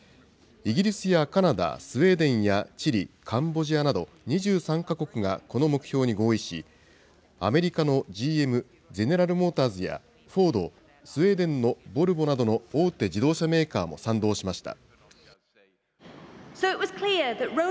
イギリスやカナダ、スウェーデンやチリ、カンボジアなど、２３か国がこの目標に合意し、アメリカのＧＭ・ゼネラル・モーターズや、フォード、スウェーデンのボルボなどの大手自動車メーカーも賛同しました。